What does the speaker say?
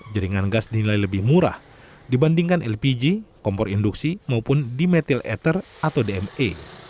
jaringan gas dinilai lebih murah dibandingkan lpg kompor induksi maupun dimetil ether atau dme